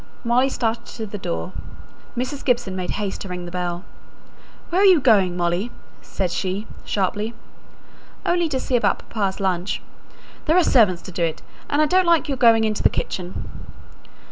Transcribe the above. Molly started to the door; Mrs. Gibson made haste to ring the bell. "Where are you going, Molly?" said she, sharply. "Only to see about papa's lunch." "There are servants to do it; and I don't like your going into the kitchen."